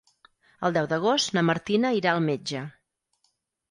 El deu d'agost na Martina irà al metge.